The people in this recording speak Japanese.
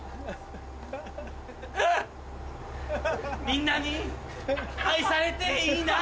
みんなに愛されていいな。